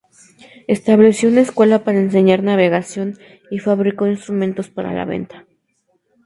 Estableció una escuela para enseñar navegación y fabricó instrumentos para la venta.